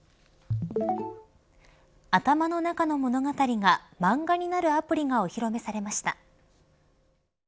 頭の中の物語が漫画になるアプリがお披露目されました。